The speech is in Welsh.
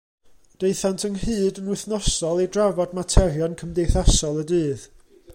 Daethant ynghyd yn wythnosol i drafod materion cymdeithasol y dydd.